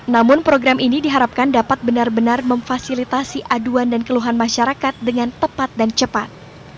namun program ini diharapkan dapat benar benar memfasilitasi aduan dan keluhan masyarakat dengan tepat dan cepat